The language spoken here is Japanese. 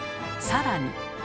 更に。